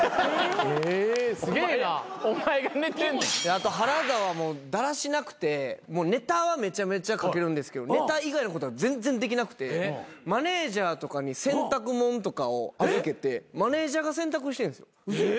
あと原田はだらしなくてネタはめちゃめちゃ書けるんですけどネタ以外のことが全然できなくてマネジャーとかに洗濯物とかを預けてマネジャーが洗濯してんすよ。